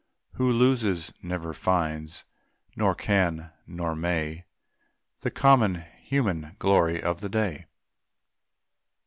Who loses never finds, nor can, nor may, The common, human glory of the day.